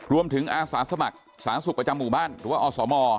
อาสาสมัครสาธารณสุขประจำหมู่บ้านหรือว่าอสม